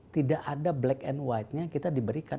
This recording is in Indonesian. tidak ada black and white nya kita diberikan